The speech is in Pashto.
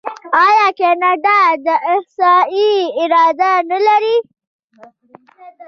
آیا کاناډا د احصایې اداره نلري؟